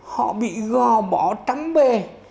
họ bị gò bỏ trắng bề